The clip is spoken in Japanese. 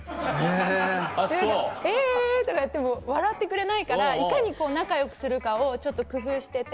って何か「ウェ！」とかやっても笑ってくれないからいかにこう仲よくするかをちょっと工夫してて。